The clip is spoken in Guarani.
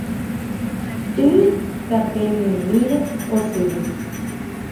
Y tapemimíre osyry